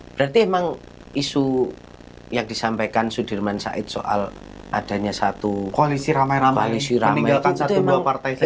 berarti emang isu yang disampaikan sudirman said soal adanya satu koalisi meninggalkan satu dua partai saja